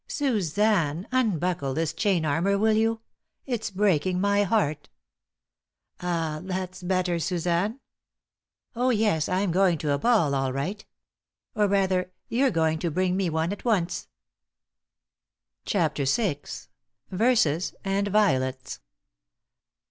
"Suzanne, unbuckle this chain armor, will you? It's breaking my heart. That's better, Suzanne. Oh, yes, I'm going to a ball, all right. Or, rather, you're going to bring me one at once." *CHAPTER VI.* *VERSES AND VIOLETS.